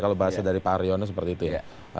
kalau bahasa dari pak aryono seperti itu ya